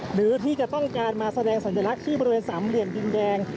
หรือที่จะต้องการมาแสดงสัญลักษณ์ที่บริเวณสามเหลี่ยมดินแดง